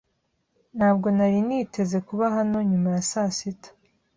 Ntabwo nari niteze kuba hano nyuma ya saa sita.